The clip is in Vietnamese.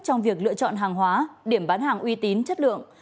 trong việc lựa chọn hàng hóa điểm bán hàng uy tín chất lượng